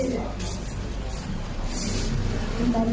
มันทำงานฉันโดดไป